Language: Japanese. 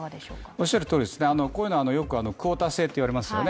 おっしゃるとおりですね、こういうのはよくクオーター制といわれますよね。